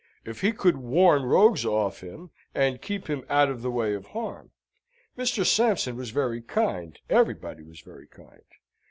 if he could warn rogues off him, and keep him out of the way of harm! Mr. Sampson was very kind: everybody was very kind.